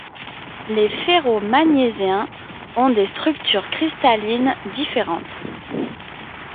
Les ferro-magnésiens ont des structures cristallines différentes.